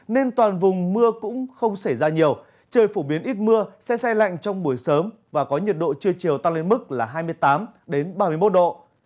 nên toàn vùng mưa cũng không xảy ra nhiều trời phổ biến ít mưa xe xe lạnh trong buổi sớm và có nhiệt độ trưa chiều tăng lên mức là hai mươi tám ba mươi một độ